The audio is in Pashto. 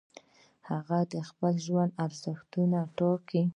هغه د خپل ژوند ارزښتونه ټاکي.